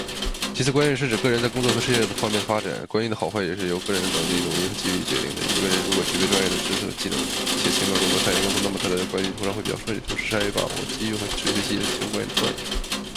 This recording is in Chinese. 其次，官运是指个人在工作和事业方面的发展。官运的好坏也是由个人的能力、努力和机遇决定的。一个人如果具备专业的知识和技能，且勤奋工作、善于沟通，那么他的官运通常会比较顺利。同时，善于把握机遇和持续学习也是提升官运的重要因素。